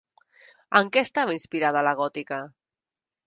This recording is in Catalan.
En què estava inspirada La Gòtica?